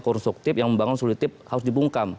konstruktif yang membangun sulitip harus dibungkam